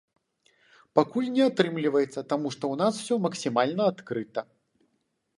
Пакуль не атрымліваецца, таму што ў нас усё максімальна адкрыта.